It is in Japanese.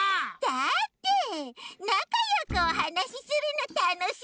だってなかよくおはなしするのたのしいんだもん。